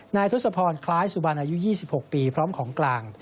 ทศพรคล้ายสุบันอายุ๒๖ปีพร้อมของกลาง